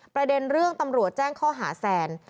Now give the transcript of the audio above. ประเด็นเรื่องตำรวจแจ้งข้อหาแซน